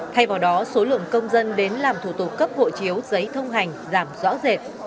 thay vào đó số lượng công dân đến làm thủ tục cấp hộ chiếu giấy thông hành giảm rõ rệt